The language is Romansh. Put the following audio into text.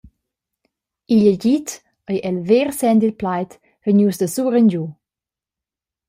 Igl agid ei el ver senn dil plaid vegnius da surengiu.